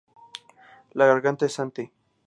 La garganta es ante.